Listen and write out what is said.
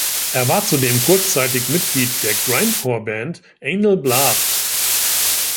Er war zudem kurzzeitig Mitglied der Grindcore-Band Anal Blast.